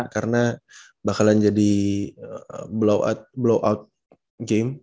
karena bakalan jadi blow out game